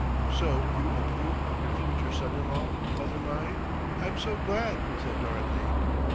"So you approve of your future son in law, mother mine, I'm so glad," said Dorothy.